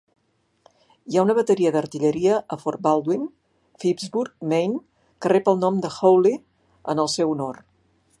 Hi ha una bateria d'artilleria a Fort Baldwin, Phippsburg, Maine, que rep el nom de Hawley en el seu honor.